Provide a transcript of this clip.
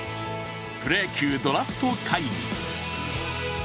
プロ野球ドラフト会議。